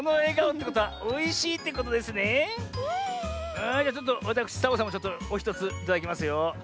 あじゃちょっとわたくしサボさんもおひとついただきますよ。